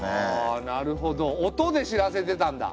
あなるほど音で知らせてたんだ。